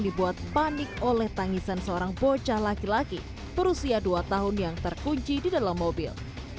dibuat panik oleh tangisan seorang bocah laki laki berusia dua tahun yang terkunci di dalam mobil